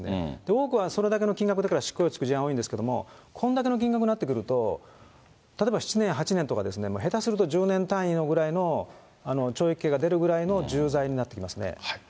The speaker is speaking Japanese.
多くはそれだけの金額、執行猶予付く事案多いんですけれども、、例えば７年８年とかですね、下手すると１０年単位ぐらいの懲役刑が出るぐらいの重罪になってきますね。